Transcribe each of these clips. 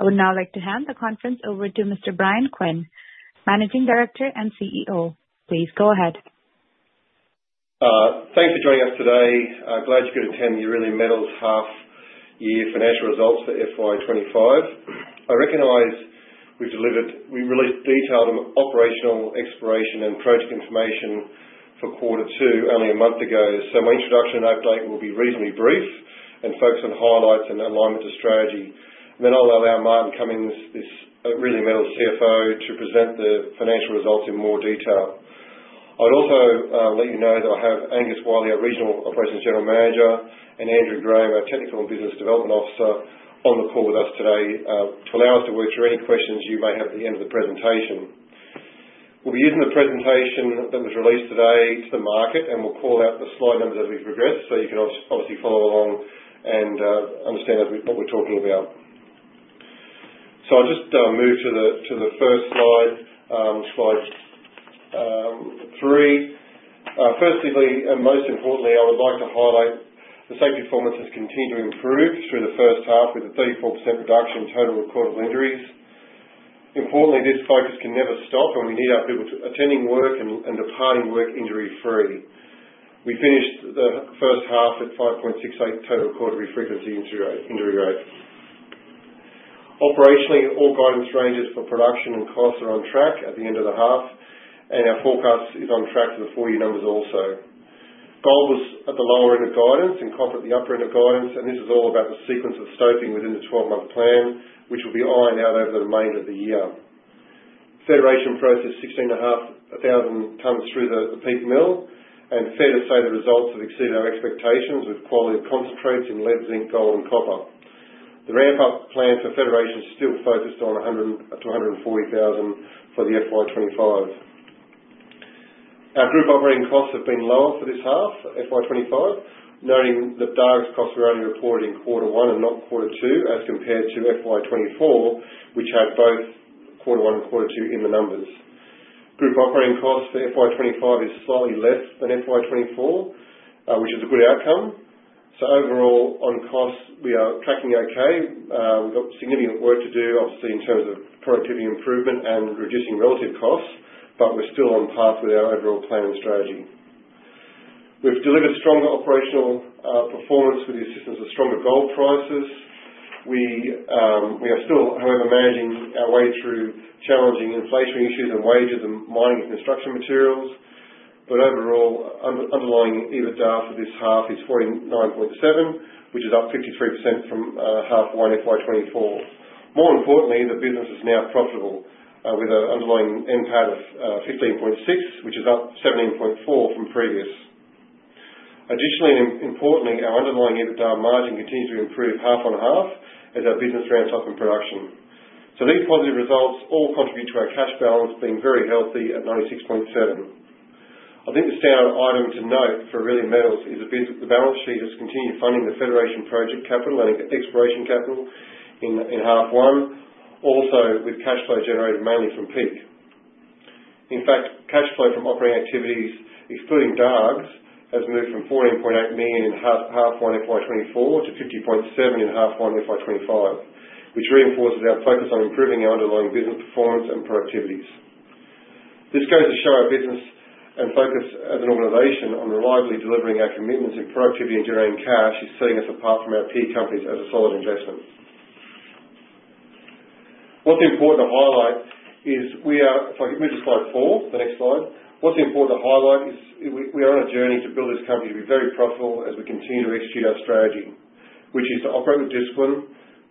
I would now like to hand the conference over to Mr. Bryan Quinn, Managing Director and CEO. Please go ahead. Thanks for joining us today. Glad you could attend the Aurelia Metals half-year financial results for FY25. I recognize we've delivered, we released detailed operational, exploration, and project information for Quarter Two only a month ago, so my introduction and update will be reasonably brief and focus on highlights and alignment to strategy. I will allow Martin Cummings, this Aurelia Metals CFO, to present the financial results in more detail. I'd also like you to know that I have Angus Wyllie, our Regional Operations General Manager, and Andrew Graham, our Technical and Business Development Officer, on the call with us today to allow us to work through any questions you may have at the end of the presentation. We'll be using the presentation that was released today to the market, and we'll call out the slide numbers as we progress so you can obviously follow along and understand what we're talking about. I'll just move to the first slide, Slide 3. Firstly, and most importantly, I would like to highlight the safety performance has continued to improve through the first half with a 34% reduction in total recordable injuries. Importantly, this focus can never stop, and we need our people attending work and departing work injury-free. We finished the first half at 5.68 total recordable injury frequency rate. Operationally, all guidance ranges for production and costs are on track at the end of the half, and our forecast is on track for the 4-year numbers also. Gold was at the lower end of guidance and copper at the upper end of guidance, and this is all about the sequence of stoping within the 12-month plan, which will be ironed out over the remainder of the year. Federation processed 16,500 tons through the Peak mill, and Fed has said the results have exceeded our expectations with quality of concentrates in lead, zinc, gold, and copper. The ramp-up plan for Federation is still focused on 100,000-140,000 for the FY25. Our group operating costs have been lower for this half, FY25, noting that Dargues' costs were only reported in Quarter 1 and not Quarter 2 as compared to FY24, which had both Quarter 1 and Quarter 2 in the numbers. Group operating costs for FY25 is slightly less than FY24, which is a good outcome. Overall, on costs, we are tracking okay. We've got significant work to do, obviously, in terms of productivity improvement and reducing relative costs, but we're still on path with our overall plan and strategy. We've delivered stronger operational performance with the assistance of stronger gold prices. We are still, however, managing our way through challenging inflationary issues in wages and mining construction materials, but overall, underlying EBITDA for this half is 49.7 million, which is up 53% from Half One FY2024. More importantly, the business is now profitable with an underlying NPAT of 15.6 million, which is up 17.4 million from previous. Additionally, and importantly, our underlying EBITDA margin continues to improve half on half as our business ramps up in production. These positive results all contribute to our cash balance being very healthy at 96.7 million. I think the standout item to note for Aurelia Metals is the balance sheet has continued funding the Federation project capital and exploration capital in Half One, also with cash flow generated mainly from Peak. In fact, cash flow from operating activities, excluding Dargues, has moved from 14.8 million in Half One FY2024 to 50.7 million in Half One FY2025, which reinforces our focus on improving our underlying business performance and productivities. This goes to show our business and focus as an organization on reliably delivering our commitments in productivity and generating cash is setting us apart from our peer companies as a solid investment. What's important to highlight is we are if I could move to Slide 4, the next slide. What's important to highlight is we are on a journey to build this company to be very profitable as we continue to execute our strategy, which is to operate with discipline,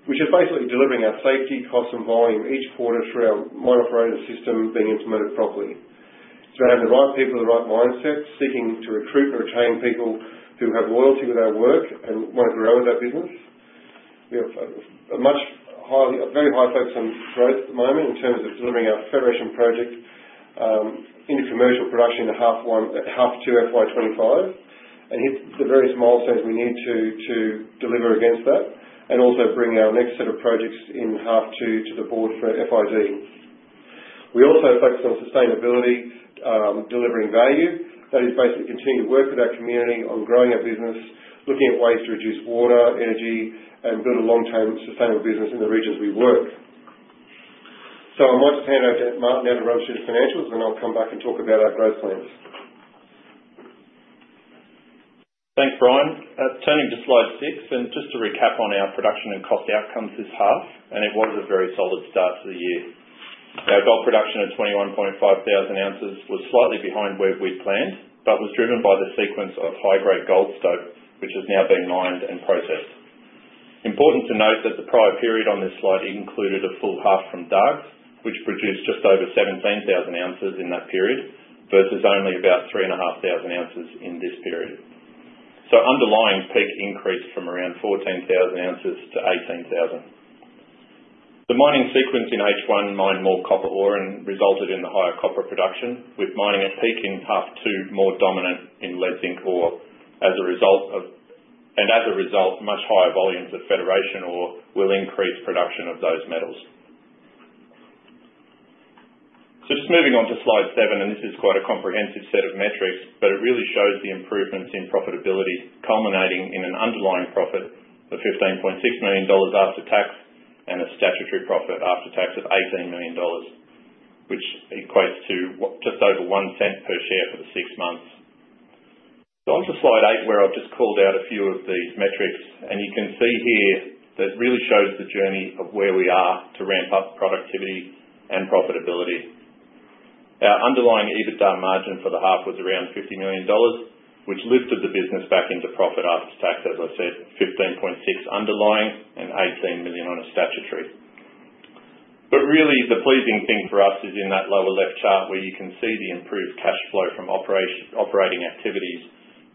which is basically delivering our safety, costs, and volume each quarter through our modified operating system being implemented properly. It's about having the right people, the right mindset, seeking to recruit and retain people who have loyalty with our work and want to grow with our business. We have a very high focus on growth at the moment in terms of delivering our Federation project into commercial production in Half Two FY2025 and hit the various milestones we need to deliver against that and also bring our next set of projects in Half Two to the board for FID. We also focus on sustainability, delivering value. That is basically continuing to work with our community on growing our business, looking at ways to reduce water, energy, and build a long-term sustainable business in the regions we work. I might just hand over to Martin now to run through the financials, and then I'll come back and talk about our growth plans. Thanks, Bryan. Turning to Slide 6, and just to recap on our production and cost outcomes this half, it was a very solid start to the year. Our gold production at 21.5 thousand ounces was slightly behind where we'd planned but was driven by the sequence of high-grade gold stope, which is now being mined and processed. Important to note that the prior period on this slide included a full half from Dargues, which produced just over 17,000 ounces in that period versus only about 3,500 ounces in this period. Underlying Peak increased from around 14,000 ounces to 18,000. The mining sequence in H1 mined more copper ore and resulted in the higher copper production, with mining at Peak in Half Two more dominant in lead, zinc, ore as a result of, and as a result, much higher volumes of Federation ore will increase production of those metals. Just moving on to Slide 7, and this is quite a comprehensive set of metrics, but it really shows the improvements in profitability culminating in an underlying profit of 15.6 million dollars after tax and a statutory profit after tax of 18 million dollars, which equates to just over 1 cent per share for the 6 months. Onto Slide 8, where I've just called out a few of these metrics, and you can see here that really shows the journey of where we are to ramp up productivity and profitability. Our underlying EBITDA margin for the half was around 50 million dollars, which lifted the business back into profit after tax, as I said, 15.6 underlying and 18 million on a statutory. Really, the pleasing thing for us is in that lower left chart where you can see the improved cash flow from operating activities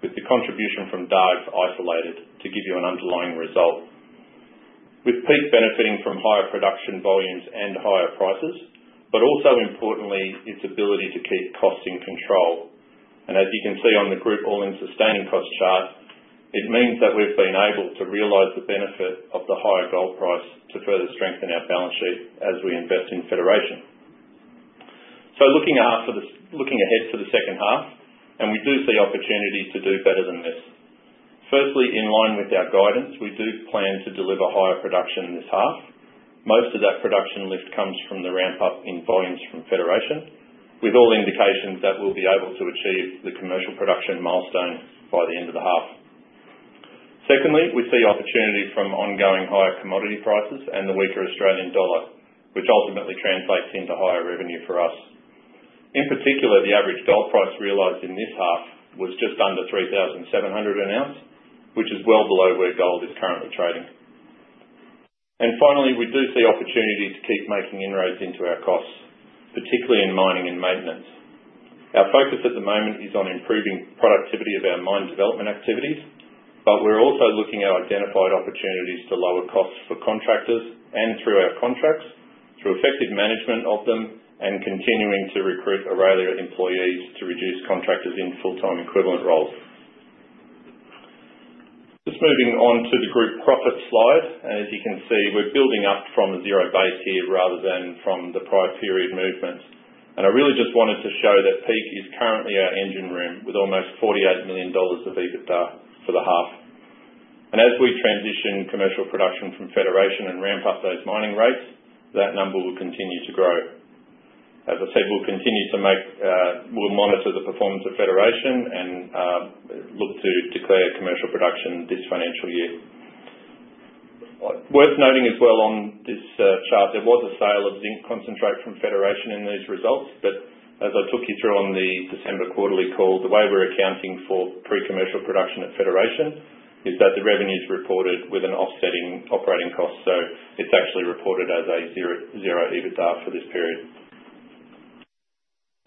with the contribution from Dargues isolated to give you an underlying result, with Peak benefiting from higher production volumes and higher prices, but also importantly, its ability to keep costs in control. As you can see on the Group All-In Sustaining Cost chart, it means that we have been able to realize the benefit of the higher gold price to further strengthen our balance sheet as we invest in Federation. Looking ahead to the second half, we do see opportunities to do better than this. Firstly, in line with our guidance, we do plan to deliver higher production this half. Most of that production lift comes from the ramp-up in volumes from Federation, with all indications that we'll be able to achieve the commercial production milestone by the end of the half. Secondly, we see opportunities from ongoing higher commodity prices and the weaker Australian dollar, which ultimately translates into higher revenue for us. In particular, the average gold price realized in this half was just under 3,700 an ounce, which is well below where gold is currently trading. Finally, we do see opportunities to keep making inroads into our costs, particularly in mining and maintenance. Our focus at the moment is on improving productivity of our mine development activities, but we're also looking at identified opportunities to lower costs for contractors and through our contracts, through effective management of them and continuing to recruit Aurelia employees to reduce contractors in full-time equivalent roles. Just moving on to the group profit slide, as you can see, we're building up from a zero base here rather than from the prior period movement. I really just wanted to show that Peak is currently our engine room with almost 48 million dollars of EBITDA for the half. As we transition commercial production from Federation and ramp up those mining rates, that number will continue to grow. As I said, we'll continue to monitor the performance of Federation and look to declare commercial production this financial year. Worth noting as well on this chart, there was a sale of zinc concentrate from Federation in these results, but as I took you through on the December quarterly call, the way we're accounting for pre-commercial production at Federation is that the revenue's reported with an offsetting operating cost, so it's actually reported as a zero EBITDA for this period.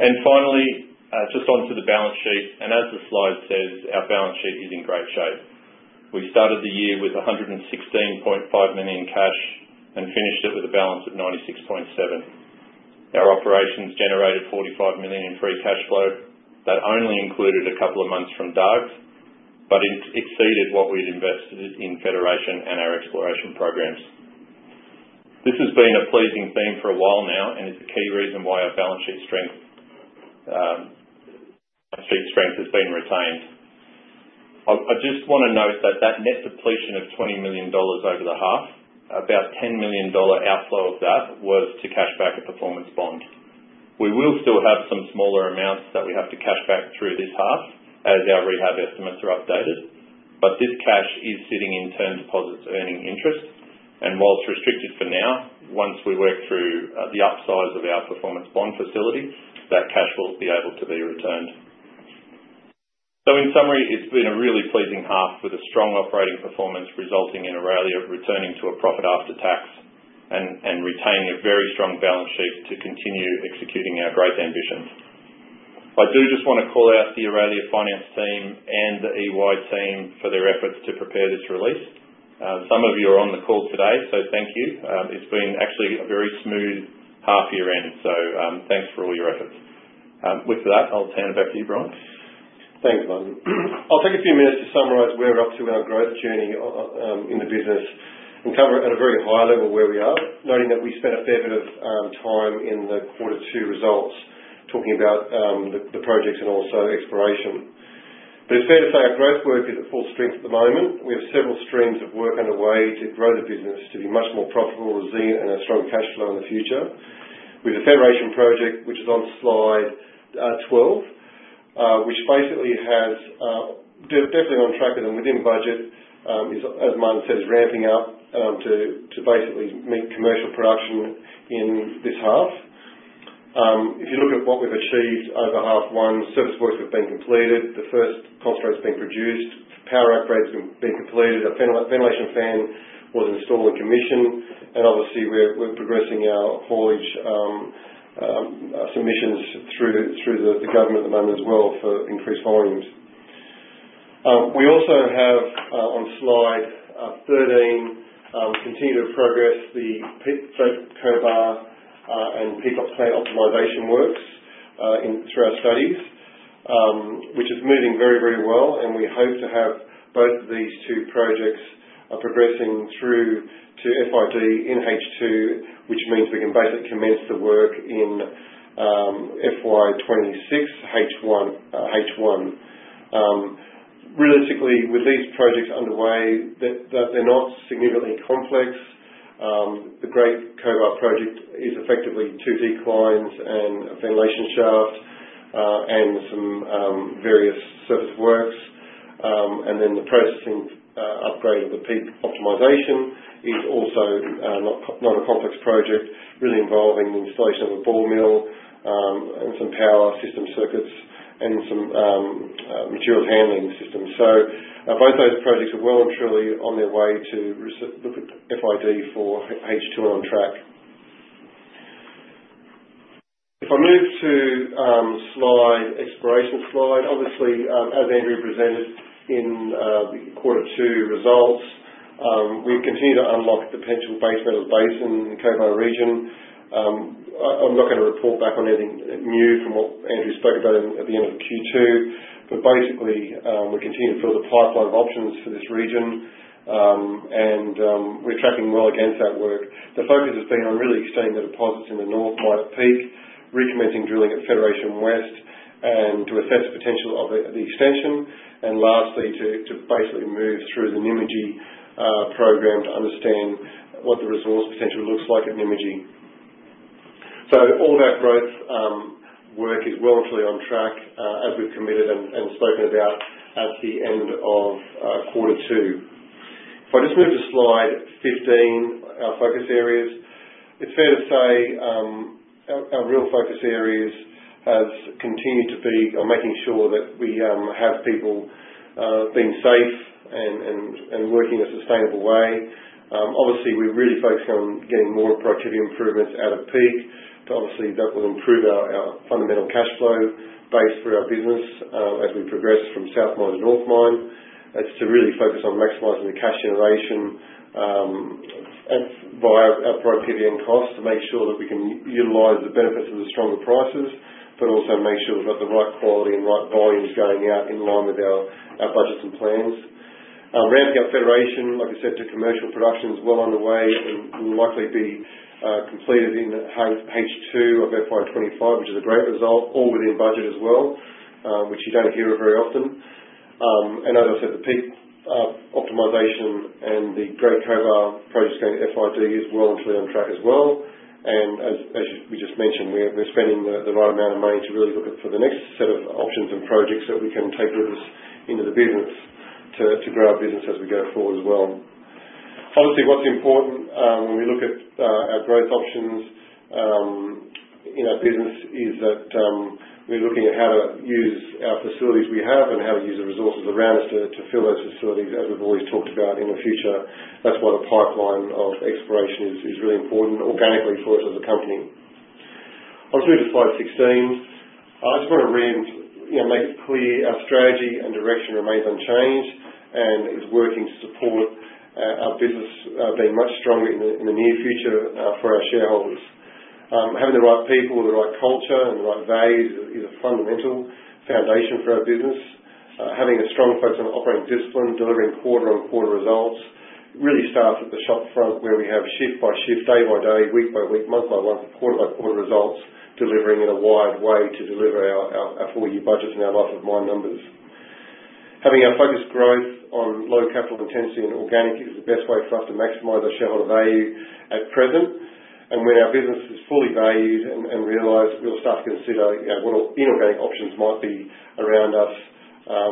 Finally, just onto the balance sheet, and as the slide says, our balance sheet is in great shape. We started the year with 116.5 million in cash and finished it with a balance of 96.7 million. Our operations generated 45 million in free cash flow that only included a couple of months from Dargues, but it exceeded what we'd invested in Federation and our exploration programs. This has been a pleasing theme for a while now, and it's a key reason why our balance sheet strength has been retained. I just want to note that that net depletion of 20 million dollars over the half, about 10 million dollar outflow of that was to cash back a performance bond. We will still have some smaller amounts that we have to cash back through this half as our rehab estimates are updated, but this cash is sitting in term deposits earning interest, and while it's restricted for now, once we work through the upsize of our performance bond facility, that cash will be able to be returned. In summary, it's been a really pleasing half with a strong operating performance resulting in Aurelia returning to a profit after tax and retaining a very strong balance sheet to continue executing our great ambitions. I do just want to call out the Aurelia Finance team and the EY team for their efforts to prepare this release. Some of you are on the call today, so thank you. It's been actually a very smooth half year end, so thanks for all your efforts. With that, I'll turn it back to you, Bryan. Thanks, Martin. I'll take a few minutes to summarize where we're up to in our growth journey in the business and cover at a very high level where we are, noting that we spent a fair bit of time in the Quarter 2 results talking about the projects and also exploration. It's fair to say our growth work is at full strength at the moment. We have several streams of work underway to grow the business to be much more profitable, resilient, and have strong cash flow in the future. We have a Federation project, which is on slide 12, which basically is definitely on track within budget, as Martin said, is ramping up to basically meet commercial production in this half. If you look at what we've achieved over Half One, service work has been completed, the first concentrates have been produced, power upgrades have been completed, a ventilation fan was installed and commissioned, and obviously, we're progressing our haulage submissions through the government at the moment as well for increased volumes. We also have on slide 13 continued progress, the Great Cobar and Peak Optimization works through our studies, which is moving very, very well, and we hope to have both of these 2 projects progressing through to FID in H2, which means we can basically commence the work in FY26 H1. Realistically, with these projects underway, they're not significantly complex. The Great Cobar project is effectively 2 declines and a ventilation shaft and some various service works, and then the processing upgrade of the Peak Optimization is also not a complex project, really involving the installation of a ball mill and some power system circuits and some material handling systems. Both those projects are well and truly on their way to look at FID for H2 and on track. If I move to the exploration slide, obviously, as Andrew presented in the Quarter 2 results, we continue to unlock the potential base metal basin Cobar region. I'm not going to report back on anything new from what Andrew spoke about at the end of Q2, but basically, we continue to fill the pipeline of options for this region, and we're tracking well against that work. The focus has been on really extending the deposits in the North Mine at Peak, recommending drilling at Federation West and to assess the potential of the extension, and lastly, to basically move through the Nymagee program to understand what the resource potential looks like at Nymagee. All of our growth work is well and truly on track as we've committed and spoken about at the end of Quarter 2. If I just move to slide 15, our focus areas, it's fair to say our real focus areas have continued to be making sure that we have people being safe and working in a sustainable way. Obviously, we're really focusing on getting more productivity improvements out of Peak, but obviously, that will improve our fundamental cash flow base for our business as we progress from South Mine to North Mine. It's to really focus on maximizing the cash generation via our productivity and costs to make sure that we can utilize the benefits of the stronger prices, but also make sure we've got the right quality and right volumes going out in line with our budgets and plans. Ramping up Federation, like I said, to commercial production is well underway and will likely be completed in H2 of FY2025, which is a great result, all within budget as well, which you don't hear of very often. As I said, the Peak Optimization and the Great Cobar project is going to FID is well and truly on track as well. As we just mentioned, we're spending the right amount of money to really look at the next set of options and projects that we can take with us into the business to grow our business as we go forward as well. Obviously, what's important when we look at our growth options in our business is that we're looking at how to use our facilities we have and how to use the resources around us to fill those facilities as we've always talked about in the future. That's why the pipeline of exploration is really important organically for us as a company. Obviously, to slide 16, I just want to make it clear our strategy and direction remains unchanged and is working to support our business being much stronger in the near future for our shareholders. Having the right people, the right culture, and the right values is a fundamental foundation for our business. Having a strong focus on operating discipline, delivering quarter-on-quarter results really starts at the shopfront where we have shift by shift, day by day, week by week, month by month, quarter by quarter results delivering in a wired way to deliver our 4-year budgets and our life of mine numbers. Having our focus growth on low capital intensity and organic is the best way for us to maximize our shareholder value at present. When our business is fully valued and realized, we'll start to consider what inorganic options might be around us.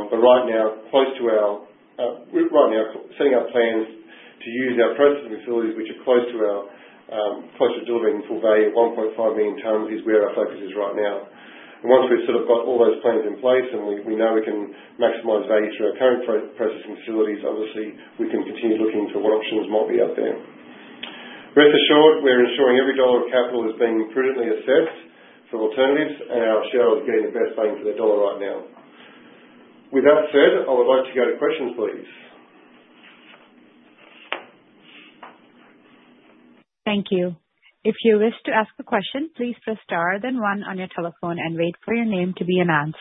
Right now, close to our right now, setting up plans to use our processing facilities, which are close to delivering full value at 1.5 million tons, is where our focus is right now. Once we've sort of got all those plans in place and we know we can maximize value through our current processing facilities, obviously, we can continue looking to what options might be out there. Rest assured, we're ensuring every dollar of capital is being prudently assessed for alternatives, and our shareholders are getting the best bang for their dollar right now. With that said, I would like to go to questions, please. Thank you. If you wish to ask a question, please press star then one on your telephone and wait for your name to be announced.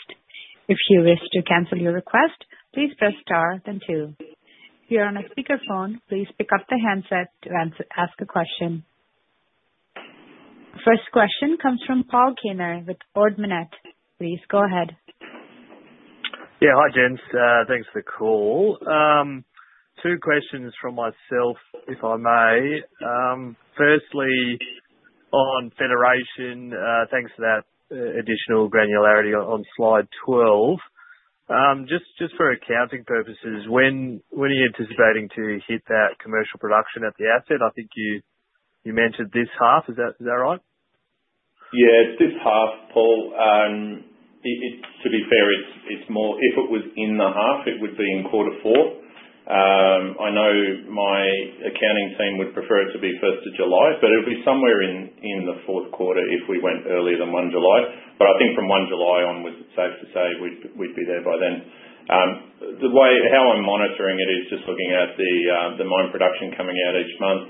If you wish to cancel your request, please press star then two. If you're on a speakerphone, please pick up the handset to ask a question. First question comes from Paul Kaner with Ord Minnett. Please go ahead. Yeah, hi gents. Thanks for the call. 2 questions from myself, if I may. Firstly, on Federation, thanks for that additional granularity on slide 12. Just for accounting purposes, when are you anticipating to hit that commercial production at the asset? I think you mentioned this half. Is that right? Yeah, it's this half, Paul. To be fair, if it was in the half, it would be in Quarter 4. I know my accounting team would prefer it to be 1st of July, but it would be somewhere in the fourth quarter if we went earlier than 1 July. I think from 1 July onwards, it's safe to say we'd be there by then. The way how I'm monitoring it is just looking at the mine production coming out each month.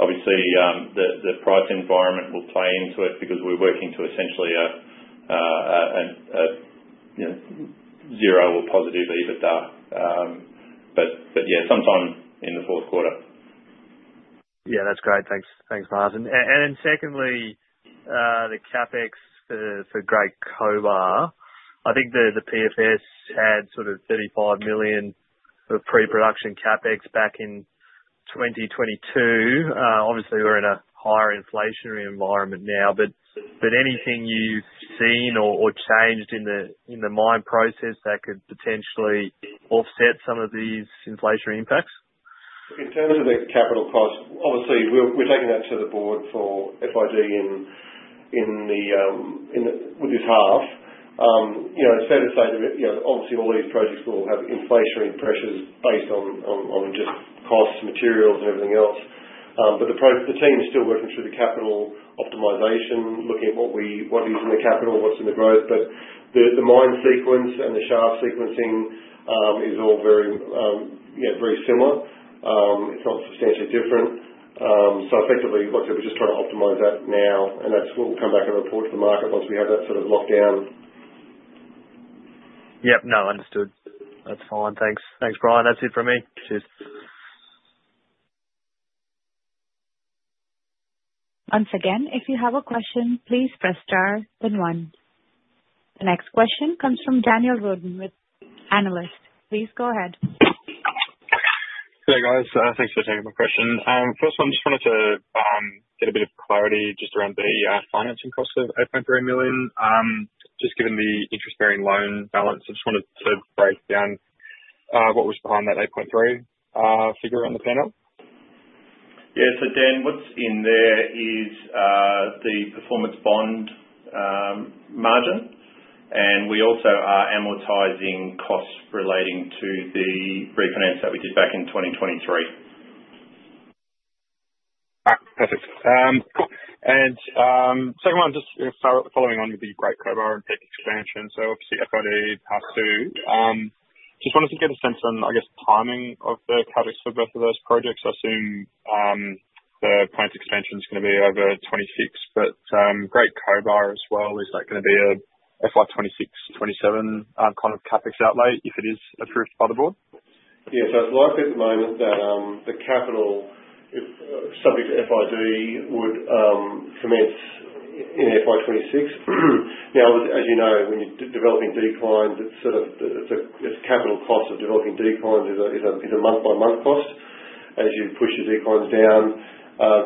Obviously, the price environment will play into it because we're working to essentially a zero or positive EBITDA. Yeah, sometime in the fourth quarter. Yeah, that's great. Thanks, Martin. Then secondly, the CapEx for Great Cobar. I think the PFS had sort of 35 million of pre-production CapEx back in 2022. Obviously, we're in a higher inflationary environment now, but anything you've seen or changed in the mine process that could potentially offset some of these inflationary impacts? In terms of the capital cost, obviously, we're taking that to the board for FID with this half. It's fair to say that obviously, all these projects will have inflationary pressures based on just costs, materials, and everything else. The team is still working through the Capital Optimization, looking at what is in the capital, what's in the growth. The mine sequence and the shaft sequencing is all very similar. It's not substantially different. Effectively, like I said, we're just trying to optimize that now, and that's what we'll come back and report to the market once we have that sort of lockdown. Yep, no, understood. That's fine. Thanks, Bryan. That's it from me. Cheers. Once again, if you have a question, please press star then one. The next question comes from Daniel Roden, an analyst. Please go ahead. Hi guys. Thanks for taking my question. First one, I just wanted to get a bit of clarity just around the financing cost of 8.3 million. Just given the interest-bearing loan balance, I just wanted to break down what was behind that 8.3 figure on the panel. Yeah, so Dan, what's in there is the performance bond margin, and we also are amortizing costs relating to the refinance that we did back in 2023. Perfect. Second one, just following on with the Great Cobar and Peak expansion. Obviously, FID part 2. Just wanted to get a sense on, I guess, timing of the CapEx for both of those projects. I assume the plant expansion is going to be over 2026, but Great Cobar as well, is that going to be a financial year 2026-2027 kind of CapEx outlay if it is approved by the board? Yeah, so it's likely at the moment that the capital subject to FID would commence in FY 2026. Now, as you know, when you're developing declines, it's sort of the capital cost of developing declines is a month-by-month cost as you push your declines down.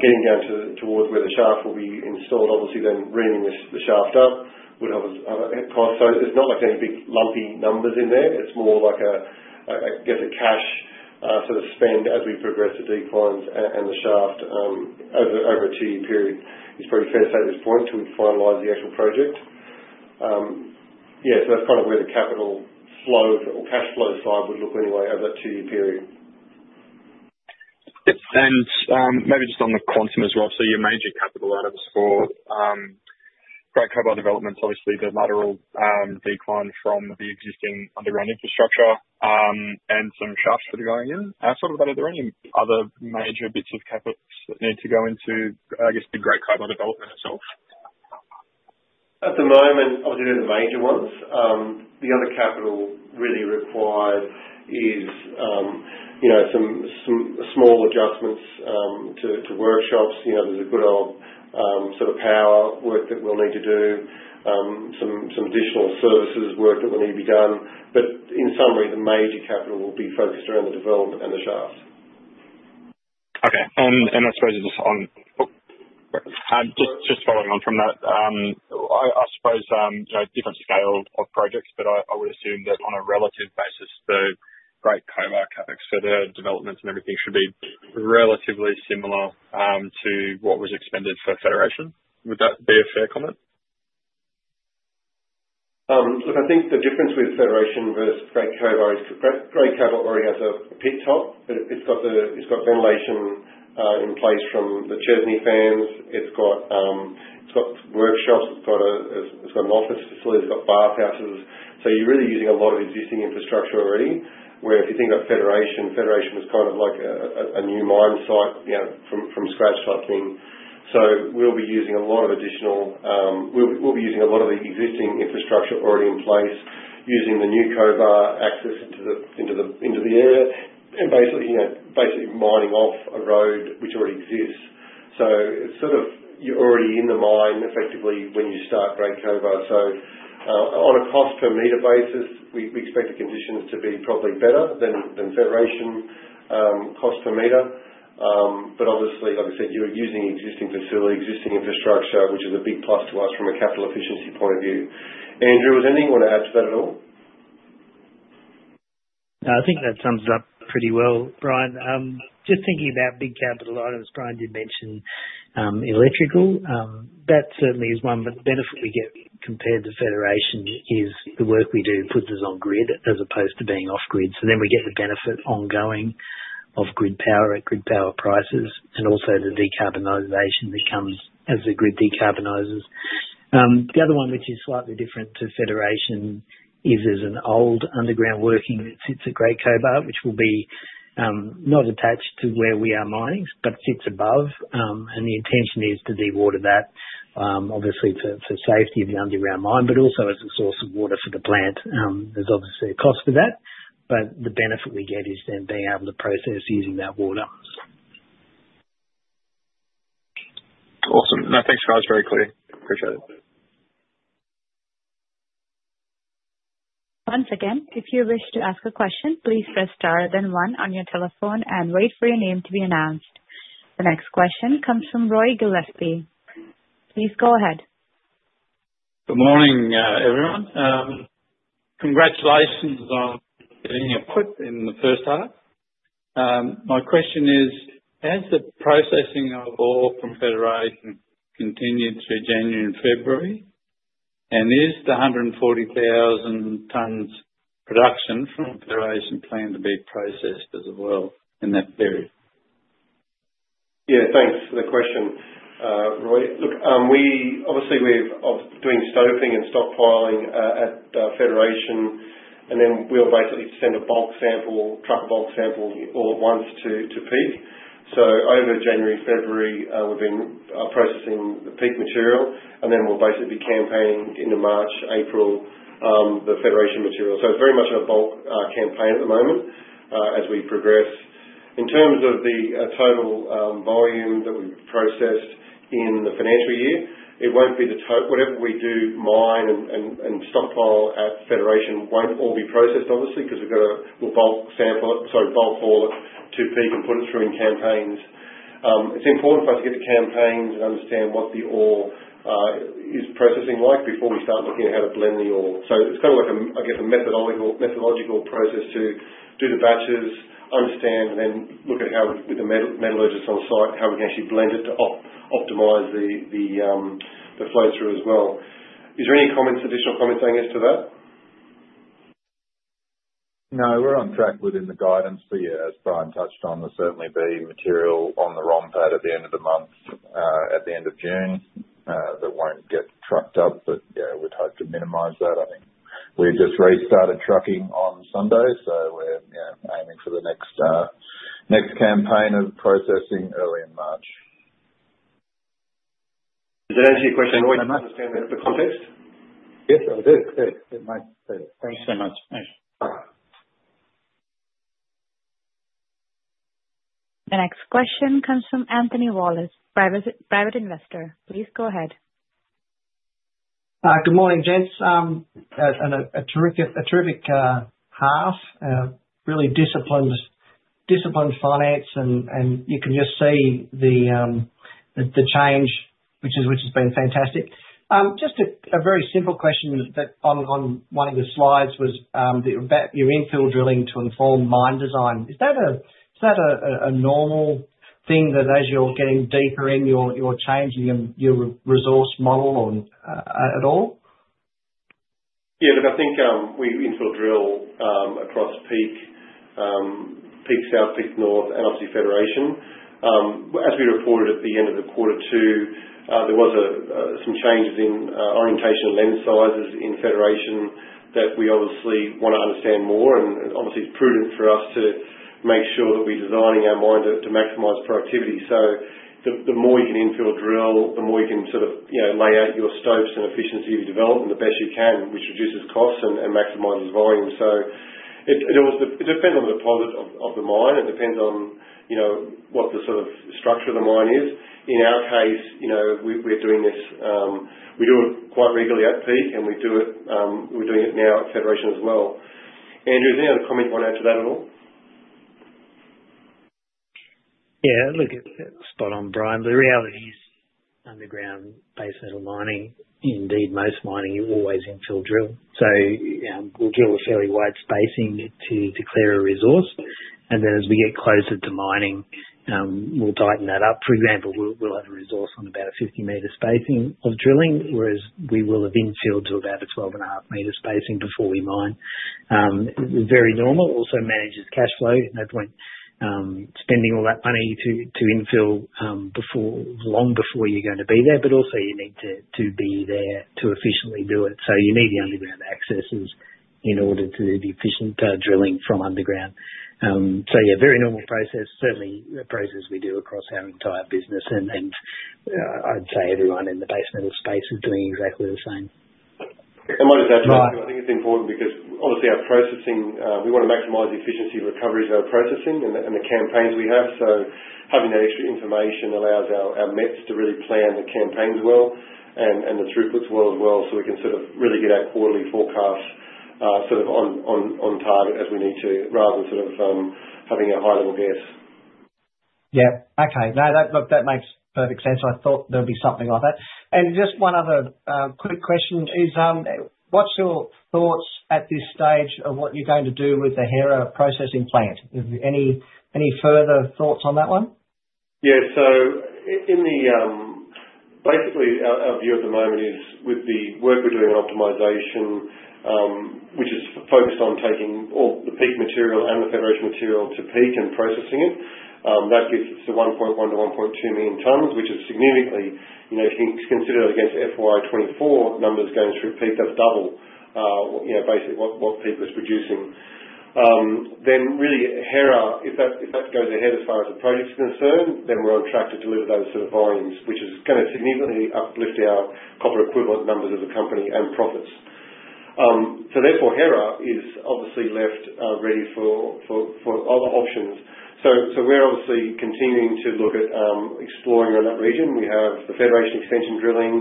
Getting down towards where the shaft will be installed, obviously, then ringing the shaft up would have a cost. It's not like any big lumpy numbers in there. It's more like a, I guess, a cash sort of spend as we progress the declines and the shaft over a 2-year period. It's pretty fair to say at this point until we finalize the actual project. Yeah, that's kind of where the capital flow or cash flow side would look anyway over a 2-year period. Maybe just on the quantum as well. Your major capital items for Great Cobar development, obviously, the lateral decline from the existing underground infrastructure and some shafts that are going in. Outside of that, are there any other major bits of CapEx that need to go into, I guess, the Great Cobar development itself? At the moment, obviously, there's the major ones. The other capital really required is some small adjustments to workshops. There's a good old sort of power work that we'll need to do, some additional services work that will need to be done. In summary, the major capital will be focused around the development and the shafts. Okay. I suppose just following on from that, I suppose different scale of projects, but I would assume that on a relative basis, the Great Cobar CapEx for the developments and everything should be relatively similar to what was expended for Federation. Would that be a fair comment? Look, I think the difference with Federation versus Great Cobar is Great Cobar already has a pit top. It's got ventilation in place from the Chesney fans. It's got workshops. It's got an office facility. It's got bathhouses. You are really using a lot of existing infrastructure already, where if you think about Federation, Federation was kind of like a new mine site from scratch type thing. We will be using a lot of additional, we will be using a lot of the existing infrastructure already in place using the New Cobar access into the area and basically mining off a road which already exists. It is sort of you are already in the mine effectively when you start Great Cobar. On a cost per meter basis, we expect the conditions to be probably better than Federation cost per meter. Obviously, like I said, you're using existing facility, existing infrastructure, which is a big plus to us from a capital efficiency point of view. Andrew, was there anything you want to add to that at all? I think that sums it up pretty well, Bryan. Just thinking about big capital items, Bryan did mention electrical. That certainly is one, but the benefit we get compared to Federation is the work we do puts us on grid as opposed to being off-grid. We get the benefit ongoing of grid power at grid power prices and also the decarbonization that comes as the grid decarbonizes. The other one, which is slightly different to Federation, is there is an old underground working that sits at Great Cobar, which will be not attached to where we are mining, but sits above. The intention is to dewater that, obviously, for safety of the underground mine, but also as a source of water for the plant. There is obviously a cost for that, but the benefit we get is then being able to process using that water. Awesome. No, thanks guys. Very clear. Appreciate it. Once again, if you wish to ask a question, please press star then one on your telephone and wait for your name to be announced. The next question comes from Roy Gillespie. Please go ahead. Good morning, everyone. Congratulations on getting your PAT in the first half. My question is, has the processing of ore from Federation continued through January and February? Is the 140,000 tons production from Federation planned to be processed as well in that period? Yeah, thanks for the question, Roy. Look, obviously, we're doing stoping and stockpiling at Federation, and then we'll basically send a bulk sample, truck a bulk sample all at once to Peak. Over January, February, we've been processing the Peak material, and then we'll basically be campaigning into March, April, the Federation material. It is very much a bulk campaign at the moment as we progress. In terms of the total volume that we've processed in the financial year, it won't be the whatever we do mine and stockpile at Federation won't all be processed, obviously, because we've got to bulk sample it, sorry, bulk haul it to Peak and put it through in campaigns. It's important for us to get the campaigns and understand what the ore is processing like before we start looking at how to blend the ore. It is kind of like, I guess, a methodological process to do the batches, understand, and then look at how, with the metallurgists on site, how we can actually blend it to optimize the flow through as well. Is there any comments, additional comments I can get to that? No, we're on track within the guidance. As Bryan touched on, there'll certainly be material on the ROM pad at the end of the month, at the end of June, that won't get trucked up. We'd hope to minimize that. I think we've just restarted trucking on Sunday, so we're aiming for the next campaign of processing early in March. Does that answer your question? I understand the context. Yes, it did. It did. It made sense. Thanks so much. Bye. The next question comes from Anthony Wallace, private investor. Please go ahead. Good morning, Jens. A terrific half, really disciplined finance, and you can just see the change, which has been fantastic. Just a very simple question on one of your slides was your infill drilling to inform mine design. Is that a normal thing that as you're getting deeper in, you're changing your resource model at all? Yeah, look, I think we infill drill across Peak, Peak South, Peak North, and obviously Federation. As we reported at the end of the quarter two, there were some changes in orientation and lens sizes in Federation that we obviously want to understand more. It is prudent for us to make sure that we're designing our mine to maximize productivity. The more you can infill drill, the more you can sort of lay out your stopes and efficiency of your development, the best you can, which reduces costs and maximizes volume. It depends on the deposit of the mine. It depends on what the sort of structure of the mine is. In our case, we're doing this. We do it quite regularly at Peak, and we're doing it now at Federation as well. Andrew, is there any other comment you want to add to that at all? Yeah, look, spot on, Bryan. The reality is underground base metal mining, indeed most mining, you're always infill drill. So we'll drill a fairly wide spacing to clear a resource. Then as we get closer to mining, we'll tighten that up. For example, we'll have a resource on about a 50-meter spacing of drilling, whereas we will have infilled to about a 12.5-meter spacing before we mine. Very normal. Also manages cash flow. No point spending all that money to infill long before you're going to be there, but also you need to be there to efficiently do it. You need the underground accesses in order to do the efficient drilling from underground. Yeah, very normal process. Certainly, a process we do across our entire business. I'd say everyone in the base metal space is doing exactly the same. What does that drive to? I think it's important because obviously, our processing, we want to maximize efficiency recoveries of our processing and the campaigns we have. Having that extra information allows our mets to really plan the campaigns well and the throughputs well as well so we can sort of really get our quarterly forecasts sort of on target as we need to, rather than sort of having a high-level guess. Yeah. Okay. No, look, that makes perfect sense. I thought there would be something like that. Just one other quick question is, what's your thoughts at this stage of what you're going to do with the Hera processing plant? Any further thoughts on that one? Yeah. So basically, our view at the moment is with the work we're doing on optimization, which is focused on taking all the Peak material and the Federation material to Peak and processing it, that gets us to 1.1-1.2 million tons, which is significant if you consider that against FY2024 numbers going through Peak, that's double basically what Peak is producing. Really, Hera, if that goes ahead as far as the project is concerned, then we're on track to deliver those sort of volumes, which is going to significantly uplift our copper equivalent numbers as a company and profits. Therefore, Hera is obviously left ready for other options. We're obviously continuing to look at exploring around that region. We have the Federation extension drilling.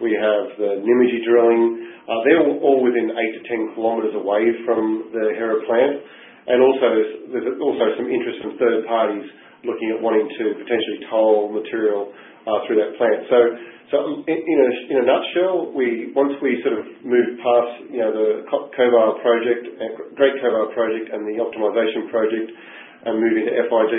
We have the Nymagee drilling. They're all within 8-10 kilometers away from the Hera plant. There is also some interest from third parties looking at wanting to potentially toll material through that plant. In a nutshell, once we sort of move past the Great Cobar project and the optimization project and move into FYD,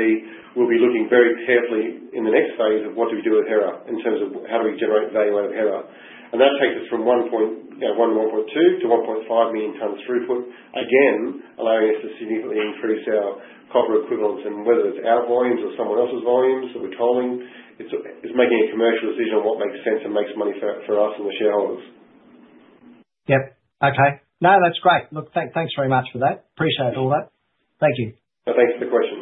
we will be looking very carefully in the next phase at what we do with Hera in terms of how we generate value out of Hera. That takes us from 1.1 to 1.2 to 1.5 million tons throughput, again, allowing us to significantly increase our copper equivalents. Whether it is our volumes or someone else's volumes that we are tolling, it is making a commercial decision on what makes sense and makes money for us and the shareholders. Yep. Okay. No, that's great. Look, thanks very much for that. Appreciate all that. Thank you. Thanks for the question.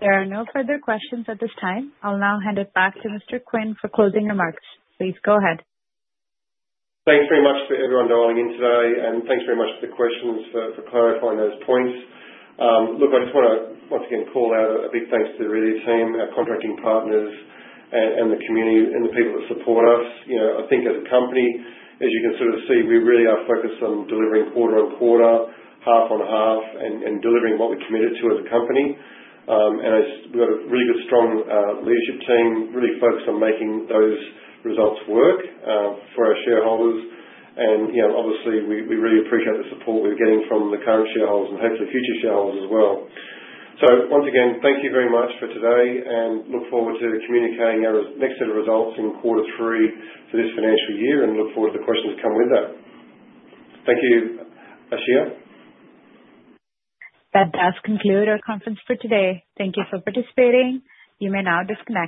There are no further questions at this time. I'll now hand it back to Mr. Quinn for closing remarks. Please go ahead. Thanks very much for everyone dialing in today. Thanks very much for the questions, for clarifying those points. Look, I just want to once again call out a big thanks to the Aurelia team, our contracting partners, and the community, and the people that support us. I think as a company, as you can sort of see, we really are focused on delivering quarter on quarter, half on half, and delivering what we're committed to as a company. We have a really good, strong leadership team, really focused on making those results work for our shareholders. Obviously, we really appreciate the support we're getting from the current shareholders and hopefully future shareholders as well. Once again, thank you very much for today. I look forward to communicating our next set of results in quarter 3 for this financial year and look forward to the questions that come with that. Thank you, Ashia. That does conclude our conference for today. Thank you for participating. You may now disconnect.